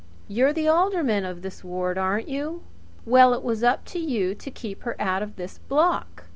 You're the alderman of this ward, aren't you? Well, it was up to you to keep her out of this block!